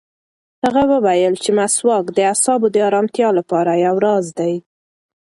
هغه وویل چې مسواک د اعصابو د ارامتیا لپاره یو راز دی.